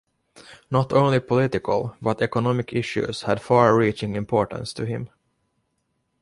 Not only political but economic issues had far reaching importance to him.